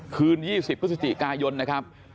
คืน๒๐พฤศจิกายนนะครับ